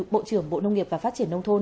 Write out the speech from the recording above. bộ trưởng bộ nông nghiệp và phát triển nông thôn